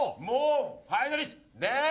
ファイナリスト。